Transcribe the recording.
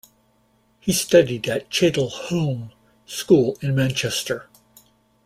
He studied at Cheadle Hulme School in Manchester.